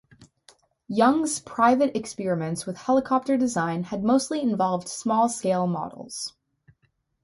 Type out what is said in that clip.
Young's private experiments with helicopter design had mostly involved small scale models.